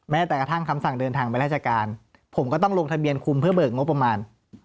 แต่กระทั่งคำสั่งเดินทางไปราชการผมก็ต้องลงทะเบียนคุมเพื่อเบิกงบประมาณ